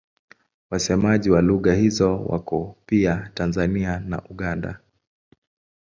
Wasemaji wa lugha hizo wako pia Tanzania na Uganda.